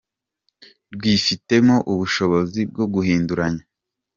rwifitemo ubushobozi bwo guhinduranya.